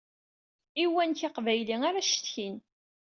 I uwanek aqbayli ara cetkin.